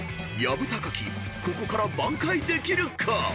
ぶたかきここから挽回できるか］